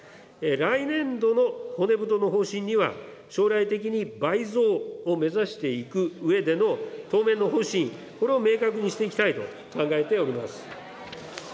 来年度の骨太の方針には、将来的に倍増を目指していくうえでの当面の方針、これを明確にしていきたいと考えております。